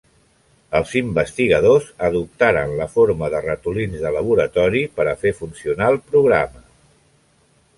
Els investigadors adoptaren la forma de ratolins de laboratori per a fer funcionar el programa.